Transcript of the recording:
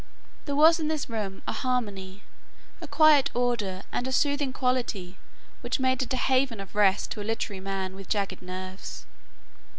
There was in this room a harmony, a quiet order and a soothing quality which made it a haven of rest to a literary man with jagged nerves.